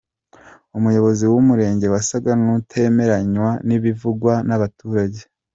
Umunyobozi w'umurenge wasaga n'utemeranywa n'ibivugwa n'abaturage.